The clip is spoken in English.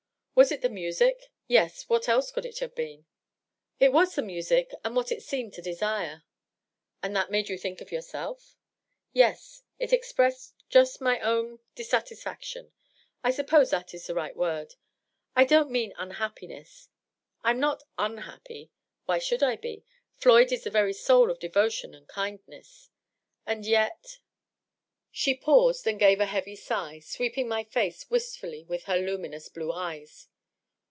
*^ Was it the . music ? Yes ; what else could it have been ?"" It was the music — and what it seemed to desire." '^ And that made you think of yourself?" " Yes. It expressed just my own .. dissatisfection. I suppose that is the right word. I don't mean unhappiness. I^m not unhappy. Why should I be? Floyd is the very soul of devotion and kindness. And yet .." She paused, and gave a heavy sigh, sweeping my fece wistfully with her luminous blue eyes.